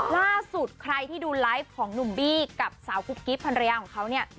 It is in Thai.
ล่าสุดใครที่ดูไลฟ์ของหนุ่มบี้กับสาวกุ๊บกิ๊บภรรยาของเขาเนี่ย